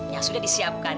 yang sudah disimpan